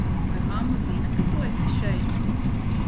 Vai mamma zina, ka tu esi šeit?